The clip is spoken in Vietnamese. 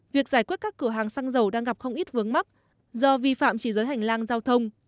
việc giải quyết các cửa hàng xăng dầu đang gặp không ít vướng mắt do vi phạm chỉ giới hành lang giao thông